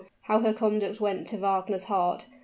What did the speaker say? how her conduct went to Wagner's heart!